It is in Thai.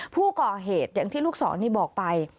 ผู้ก่อเหตุอย่างที่ลูกศรนี่บอกไป